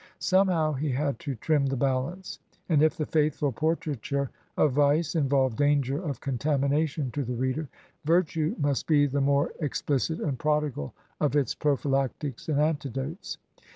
Somehow he had to trim the balance, and if the faithful portraiture of vice involved danger of contamination to the reader, virtue must be the more explicit and prodigal of its prophylactics and antidotes.